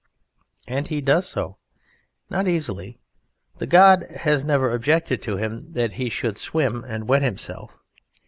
And he does so: not easily. The god had never objected to him that he should swim and wet himself.